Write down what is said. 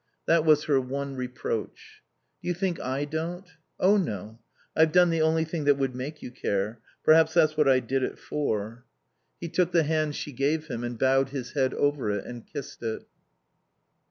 That was her one reproach. "Do you think I don't?" "Oh no. I've done the only thing that would make you care. Perhaps that's what I did it for." He took the hand she gave him and bowed his head over it and kissed it.